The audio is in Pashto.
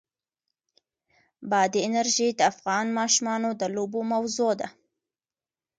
بادي انرژي د افغان ماشومانو د لوبو موضوع ده.